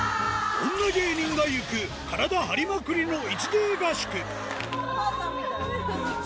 女芸人が行く体張りまくりのあぁ！